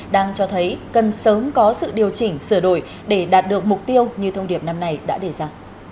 đang cho thấy cần sớm có sự điều chỉnh sửa đổi để đạt được mục tiêu như thông điệp năm nay đã đề ra